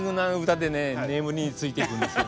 眠りについていくんですよ。